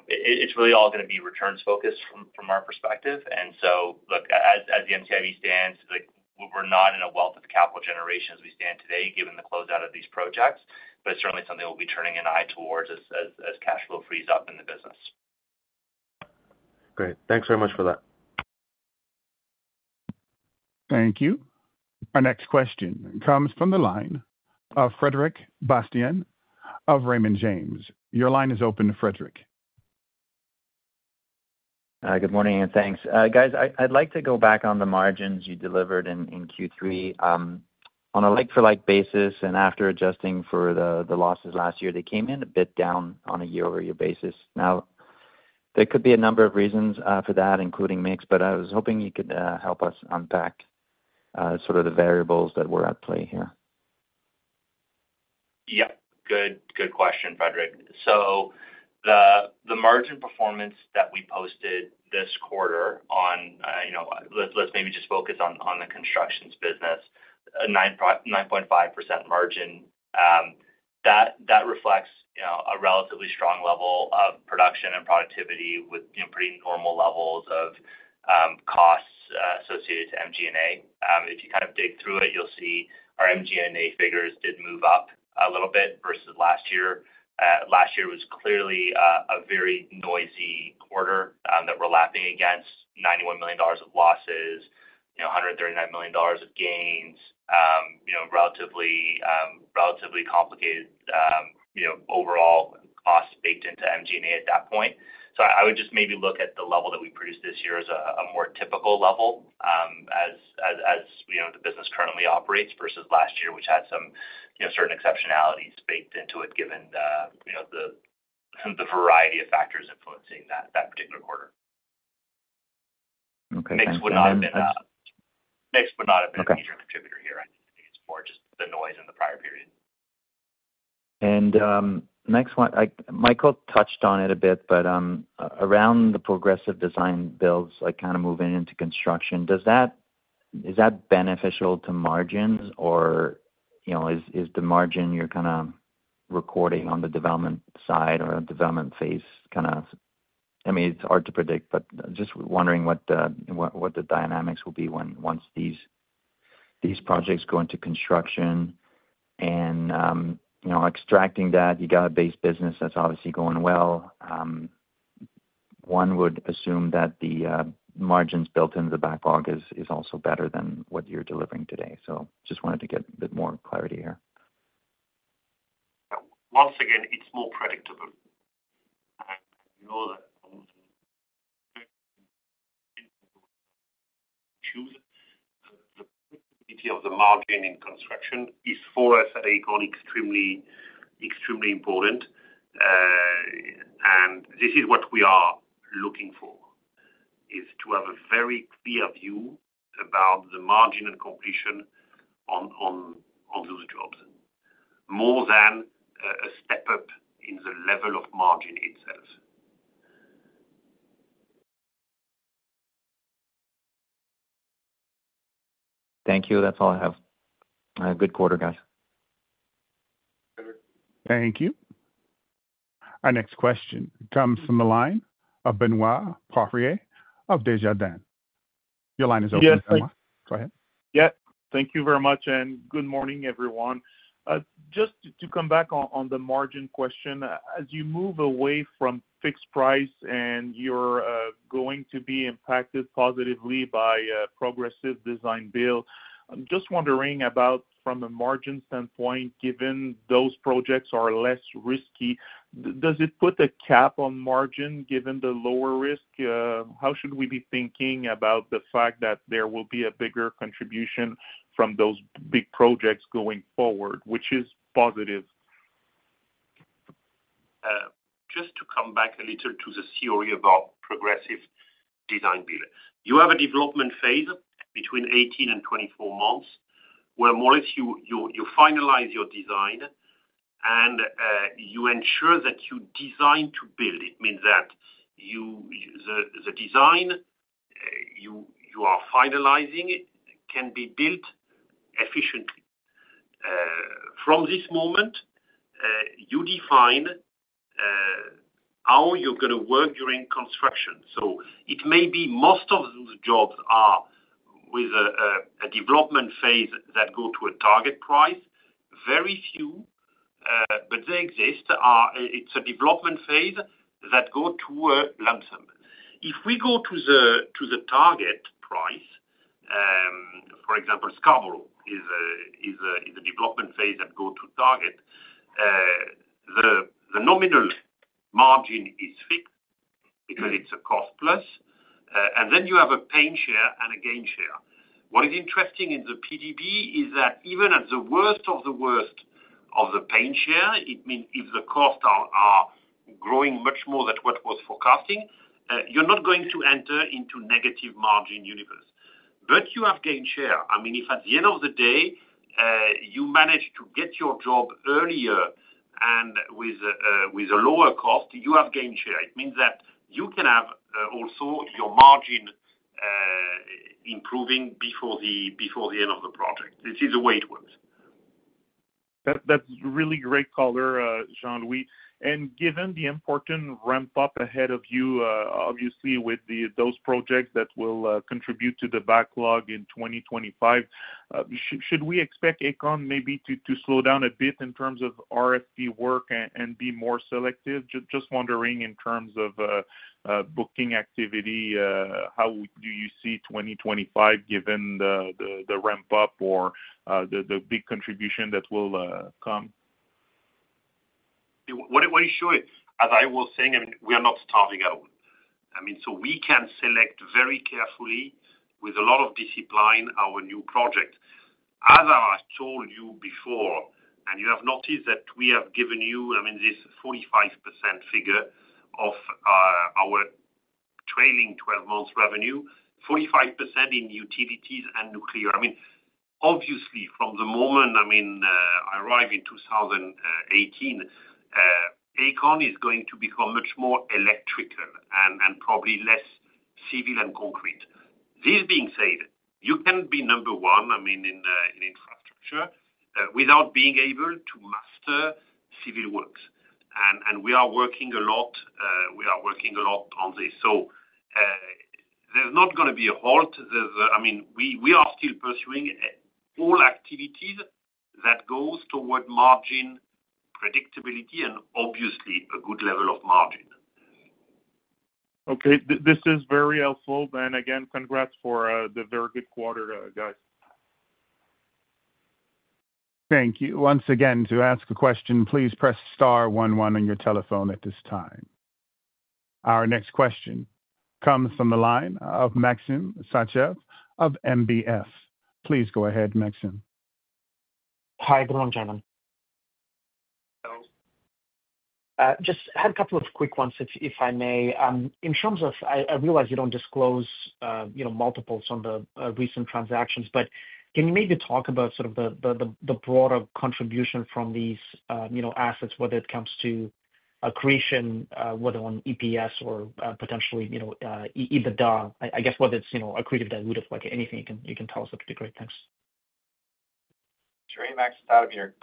It's really all going to be returns-focused from our perspective. And so, look, as the NCIB stands, we're not in a wealth of capital generation as we stand today given the closeout of these projects, but it's certainly something we'll be turning an eye towards as cash flow frees up in the business. Great. Thanks very much for that. Thank you. Our next question comes from the line of Frederic Bastien of Raymond James. Your line is open to Frederic. Good morning and thanks. Guys, I'd like to go back on the margins you delivered in Q3. On a like-for-like basis and after adjusting for the losses last year, they came in a bit down on a year-over-year basis. Now, there could be a number of reasons for that, including mixed, but I was hoping you could help us unpack sort of the variables that were at play here. Yeah. Good question, Frederic. So the margin performance that we posted this quarter on, let's maybe just focus on the constructions business, a 9.5% margin, that reflects a relatively strong level of production and productivity with pretty normal levels of costs associated to MG&A. If you kind of dig through it, you'll see our MG&A figures did move up a little bit versus last year. Last year was clearly a very noisy quarter that we're lapping against: $91 million of losses, $139 million of gains, relatively complicated overall costs baked into MG&A at that point. So I would just maybe look at the level that we produced this year as a more typical level as the business currently operates versus last year, which had some certain exceptionalities baked into it given the variety of factors influencing that particular quarter. Okay. That makes sense. Mix would not have been a major contributor here. I think it's more just the noise in the prior period. And next one, Michael touched on it a bit, but around the Progressive Design-Builds, like kind of moving into construction, is that beneficial to margins, or is the margin you're kind of recording on the development side or development phase kind of, I mean, it's hard to predict, but just wondering what the dynamics will be once these projects go into construction. And extracting that, you got a base business that's obviously going well. One would assume that the margins built into the backlog is also better than what you're delivering today. So just wanted to get a bit more clarity here. Once again, it's more predictable. The predictability of the margin in construction is, for us at Aecon, extremely important. And this is what we are looking for: to have a very clear view about the margin and completion on those jobs, more than a step up in the level of margin itself. Thank you. That's all I have. Have a good quarter, guys. Thank you. Our next question comes from the line of Benoît Poirier of Desjardins. Your line is open as well. Yes. Go ahead. Yeah. Thank you very much. Good morning, everyone. Just to come back on the margin question, as you move away from fixed price and you're going to be impacted positively by a Progressive Design-Build, I'm just wondering about, from a margin standpoint, given those projects are less risky, does it put a cap on margin given the lower risk? How should we be thinking about the fact that there will be a bigger contribution from those big projects going forward, which is positive? Just to come back a little to the theory about Progressive Design-Build. You have a development phase between 18-24 months where, more or less, you finalize your design and you ensure that you design to build it. It means that the design you are finalizing can be built efficiently. From this moment, you define how you're going to work during construction. So it may be most of those jobs are with a development phase that go to a target price. Very few, but they exist. It's a development phase that go to a lump sum. If we go to the target price, for example, Scarborough is a development phase that goes to target, the nominal margin is fixed because it's a cost plus. And then you have a pain share and a gain share. What is interesting in the PDB is that even at the worst of the worst of the pain share, it means if the costs are growing much more than what was forecasting, you're not going to enter into negative margin universe. But you have gain share. I mean, if at the end of the day, you manage to get your job earlier and with a lower cost, you have gain share. It means that you can have also your margin improving before the end of the project. This is the way it works. That's really great color, Jean-Louis. And given the important ramp-up ahead of you, obviously, with those projects that will contribute to the backlog in 2025, should we expect Aecon maybe to slow down a bit in terms of RFP work and be more selective? Just wondering in terms of booking activity, how do you see 2025 given the ramp-up or the big contribution that will come? What is sure, as I was saying, I mean, we are not starting out. I mean, so we can select very carefully with a lot of discipline our new project. As I told you before, and you have noticed that we have given you, I mean, this 45% figure of our trailing 12-month revenue, 45% in utilities and nuclear. I mean, obviously, from the moment I mean, I arrived in 2018, Aecon is going to become much more electrical and probably less civil and concrete. This being said, you can be number one, I mean, in infrastructure without being able to master civil works, and we are working a lot. We are working a lot on this, so there's not going to be a halt. I mean, we are still pursuing all activities that go toward margin predictability and obviously a good level of margin. Okay. This is very helpful. And again, congrats for the very good quarter, guys. Thank you. Once again, to ask a question, please press star 11 on your telephone at this time. Our next question comes from the line of Maxim Sytchev of NBF. Please go ahead, Maxim. Hi, good morning, gentlemen. Hello. Just had a couple of quick ones, if I may. In terms of, I realize you don't disclose multiples on the recent transactions, but can you maybe talk about sort of the broader contribution from these assets, whether it comes to accretion, whether on EPS or potentially EBITDA? I guess whether it's accretive, dilutive, anything you can tell us would be great. Thanks. Sure. Hey, Maxim, Jean here.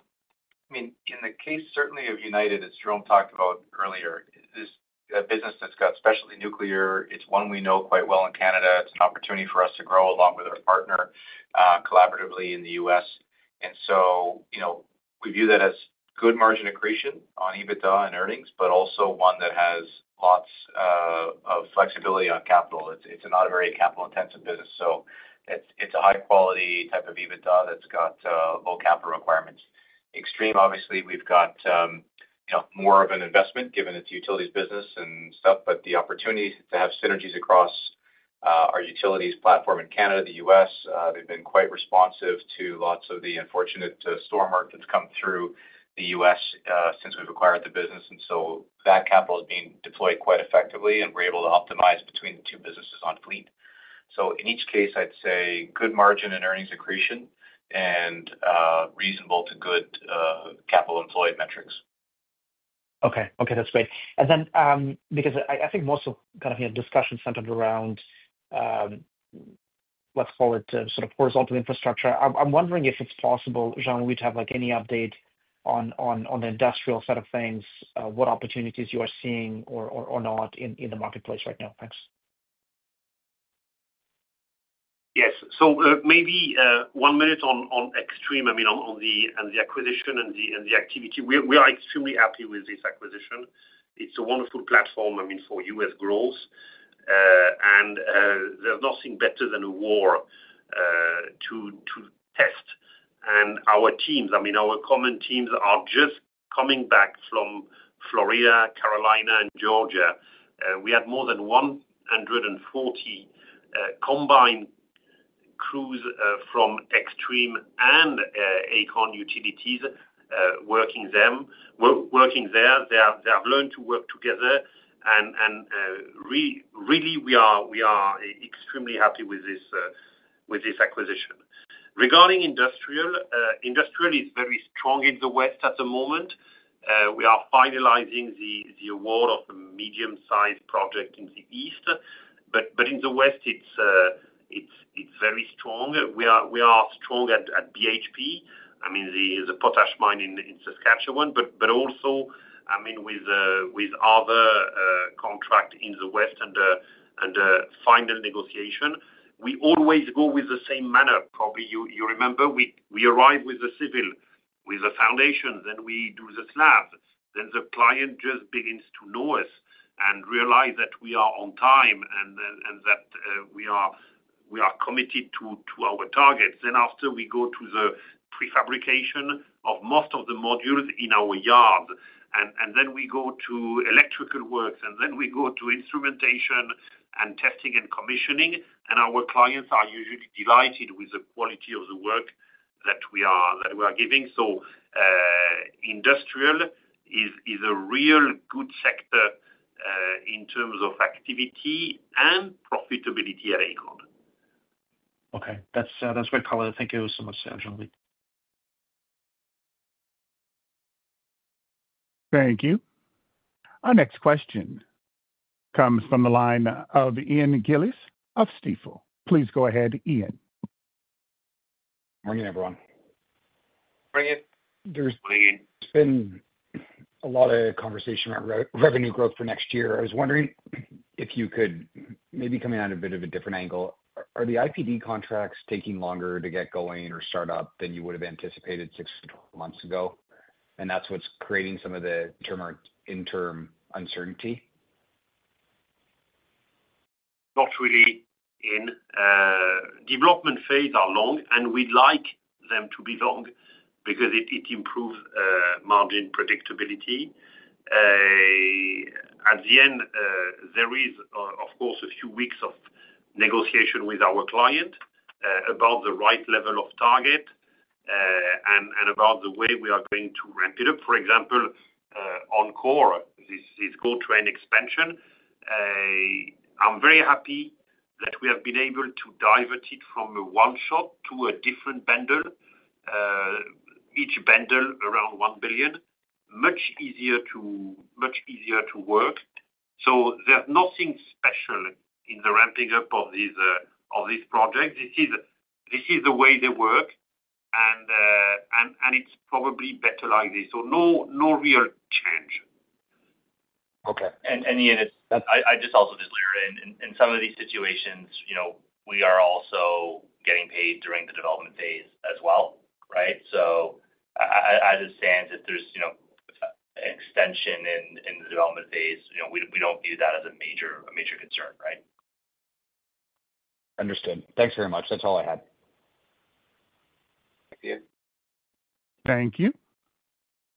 I mean, in the case certainly of United, as Jerome talked about earlier, this is a business that's got specialty nuclear. It's one we know quite well in Canada. It's an opportunity for us to grow along with our partner collaboratively in the U.S. And so we view that as good margin accretion on EBITDA and earnings, but also one that has lots of flexibility on capital. It's not a very capital-intensive business. So it's a high-quality type of EBITDA that's got low capital requirements. Xtreme, obviously, we've got more of an investment given it's a utilities business and stuff, but the opportunity to have synergies across our utilities platform in Canada, the U.S., they've been quite responsive to lots of the unfortunate storm work that's come through the U.S. since we've acquired the business. And so that capital is being deployed quite effectively, and we're able to optimize between the two businesses on fleet. So in each case, I'd say good margin and earnings accretion and reasonable to good capital-employed metrics. Okay. Okay. That's great. And then because I think most of kind of your discussion centered around, let's call it sort of horizontal infrastructure, I'm wondering if it's possible, Jean-Louis, to have any update on the industrial side of things, what opportunities you are seeing or not in the marketplace right now. Thanks. Yes. So maybe one minute on Xtreme, I mean, on the acquisition and the activity. We are extremely happy with this acquisition. It's a wonderful platform, I mean, for U.S. growth. And there's nothing better than a war to test. And our teams, I mean, our common teams are just coming back from Florida, the Carolinas, and Georgia. We had more than 140 combined crews from Xtreme and Aecon Utilities working there. They have learned to work together. And really, we are extremely happy with this acquisition. Regarding industrial, industrial is very strong in the West at the moment. We are finalizing the award of the medium-sized project in the East. But in the West, it's very strong. We are strong at BHP, I mean, the potash mine in Saskatchewan, but also, I mean, with other contracts in the West and final negotiation. We always go with the same manner. Probably you remember, we arrive with the civil, with the foundations, then we do the slabs. Then the client just begins to know us and realize that we are on time and that we are committed to our targets. Then after, we go to the prefabrication of most of the modules in our yards. And then we go to electrical works, and then we go to instrumentation and testing and commissioning. And our clients are usually delighted with the quality of the work that we are giving. So industrial is a real good sector in terms of activity and profitability at Aecon. Okay. That's great color. Thank you so much, Jean-Louis. Thank you. Our next question comes from the line of Ian Gillis of Stifel. Please go ahead, Ian. Morning, everyone. Morning. There's been a lot of conversation around revenue growth for next year. I was wondering if you could maybe come in at a bit of a different angle. Are the IPD contracts taking longer to get going or start up than you would have anticipated six to twelve months ago? And that's what's creating some of the interim uncertainty? Not really. Ian, development phases are long, and we'd like them to be long because it improves margin predictability. At the end, there is, of course, a few weeks of negotiation with our client about the right level of target and about the way we are going to ramp it up. For example, on the GO Expansion, I'm very happy that we have been able to divert it from a one-shot to a different bundle, each bundle around one billion, much easier to work. So there's nothing special in the ramping up of these projects. This is the way they work, and it's probably better like this. So no real change. Okay. And Ian, I just also did layer in. In some of these situations, we are also getting paid during the development phase as well, right? So as it stands, if there's an extension in the development phase, we don't view that as a major concern, right? Understood. Thanks very much. That's all I had. Thank you. Thank you.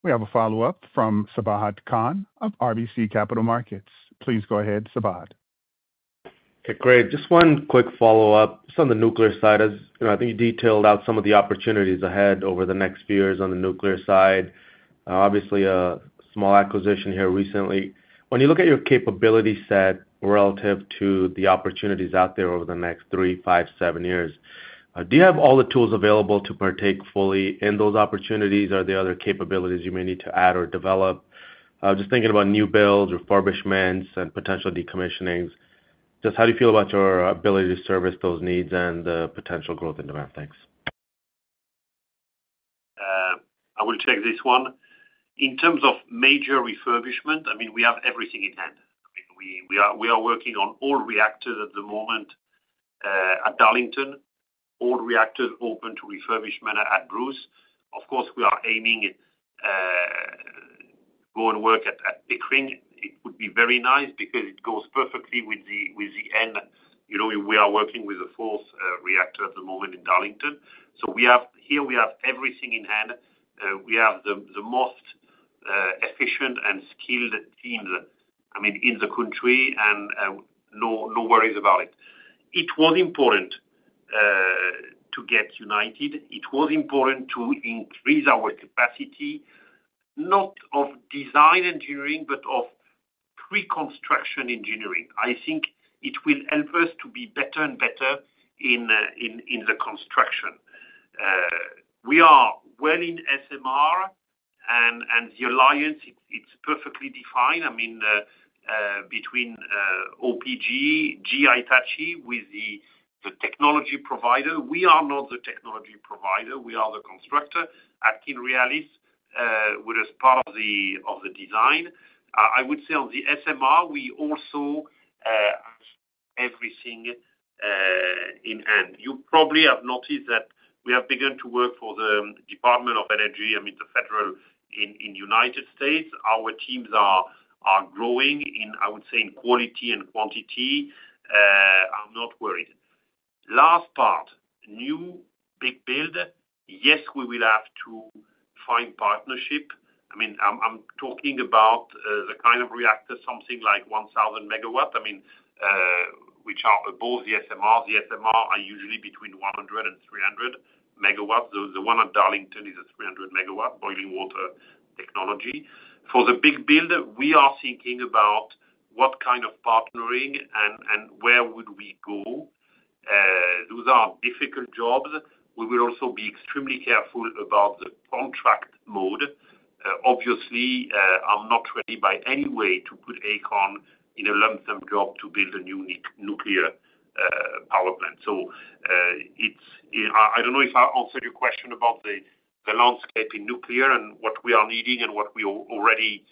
We have a follow-up from Sabahat Khan of RBC Capital Markets. Please go ahead, Sabahat. Okay. Great. Just one quick follow-up. Just on the nuclear side, I think you detailed out some of the opportunities ahead over the next few years on the nuclear side. Obviously, a small acquisition here recently. When you look at your capability set relative to the opportunities out there over the next three, five, seven years, do you have all the tools available to partake fully in those opportunities, or are there other capabilities you may need to add or develop? Just thinking about new builds, refurbishments, and potential decommissionings. Just how do you feel about your ability to service those needs and the potential growth in demand? Thanks. I will take this one. In terms of major refurbishment, I mean, we have everything in hand. We are working on all reactors at the moment at Darlington, all reactors open to refurbishment at Bruce. Of course, we are aiming to go and work at Pickering. It would be very nice because it goes perfectly with the end. We are working with the fourth reactor at the moment in Darlington. So here, we have everything in hand. We have the most efficient and skilled teams, I mean, in the country, and no worries about it. It was important to get United. It was important to increase our capacity, not of design engineering, but of pre-construction engineering. I think it will help us to be better and better in the construction. We are well in SMR, and the alliance, it's perfectly defined. I mean, between OPG, GE Hitachi with the technology provider, we are not the technology provider. We are the constructor at AtkinsRéalis with a spot of the design. I would say on the SMR, we also have everything in hand. You probably have noticed that we have begun to work for the Department of Energy, I mean, the federal in the United States. Our teams are growing, I would say, in quality and quantity. I'm not worried. Last part, new big build, yes, we will have to find partnership. I mean, I'm talking about the kind of reactor, something like 1,000 megawatts, I mean, which are above the SMR. The SMR are usually between 100 and 300 megawatts. The one at Darlington is a 300-megawatt boiling water technology. For the big build, we are thinking about what kind of partnering and where would we go. Those are difficult jobs. We will also be extremely careful about the contract mode. Obviously, I'm not ready in any way to put Aecon in a lump-sum job to build a new nuclear power plant. So I don't know if I answered your question about the landscape in nuclear and what we are needing and what we already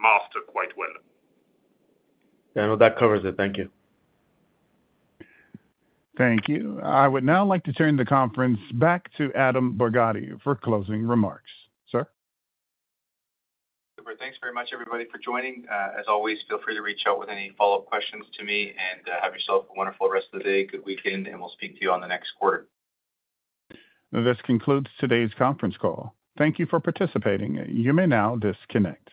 master quite well. I know that covers it. Thank you. Thank you. I would now like to turn the conference back to Adam Borgatti for closing remarks. Sir. Super. Thanks very much, everybody, for joining. As always, feel free to reach out with any follow-up questions to me, and have yourself a wonderful rest of the day. Good weekend, and we'll speak to you on the next quarter. This concludes today's conference call. Thank you for participating. You may now disconnect.